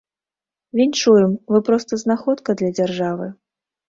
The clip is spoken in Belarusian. Віншуем, вы проста знаходка для дзяржавы.